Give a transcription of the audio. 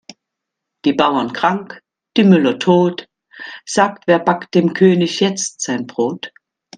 Die Bauern krank, die Müller tot, sagt wer backt dem König jetzt sein Brot?